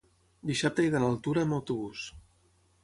Dissabte he d'anar a Altura amb autobús.